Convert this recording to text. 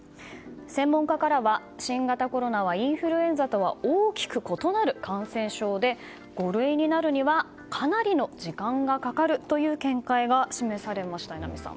専門家からは新型コロナはインフルエンザとは大きく異なる感染症で五類になるにはかなりの時間がかかるという見解が示されました。